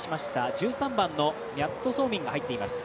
１３番のミャットソーミンが入っています。